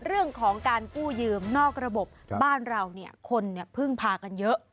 เรื่องของการกู้ยืมนอกระบบบ้านเราเนี่ยคนพึ่งพากันเยอะ